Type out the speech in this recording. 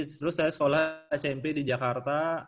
terus saya sekolah smp di jakarta